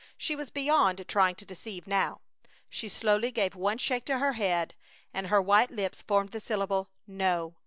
She was beyond trying to deceive now. She slowly gave one shake to her head, and her white lips formed the syllable, "No!"